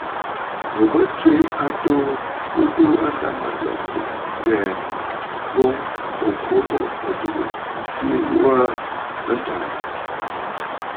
Ò bə tswe a atoo ɨ tuu a ndâmanjɔŋ kɨ ghɛ̀ɛ̀ boŋ ò kwo ghu ò tɨgə̀ ntswe ghu a ntàà.